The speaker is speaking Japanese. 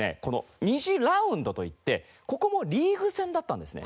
２次ラウンドといってここもリーグ戦だったんですね。